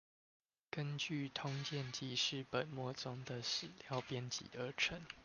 根據通鑑紀事本末中的史料編輯而成